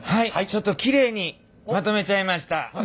ちょっときれいにまとめちゃいました。